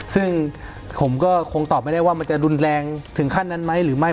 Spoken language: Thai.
ซึ่งผมก็คงตอบไม่ได้ว่ามันจะรุนแรงถึงขั้นนั้นไหมหรือไม่